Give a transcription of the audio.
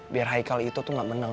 biar hicle itu tuh gak menang